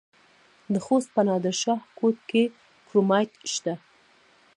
د خوست په نادر شاه کوټ کې کرومایټ شته.